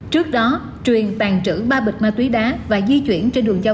trước đó truyền tàn trữ ba bịch ma túy đá và di chuyển trên đường châu âu